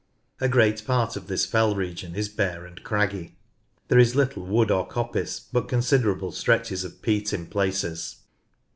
A great part of this fell region is bare and craggy. 3—2 36 NORTH LANCASHIRE There is little wood or coppice, but considerable stretches of peat in places.